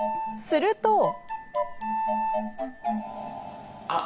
すると。